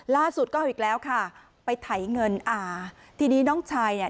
ล่าสุดก็อีกแล้วค่ะไปไถเงินอ่าทีนี้น้องชายเนี่ย